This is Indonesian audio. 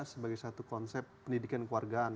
sebagai satu konsep pendidikan keluargaan